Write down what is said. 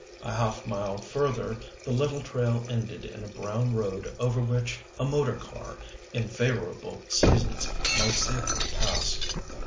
A half mile further the little trail ended in a brown road over which a motor car, in favorable seasons, might safely pass.